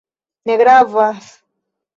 Ne gravas